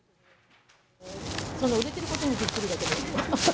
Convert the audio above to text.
そんな売れてることにびっくりだけど。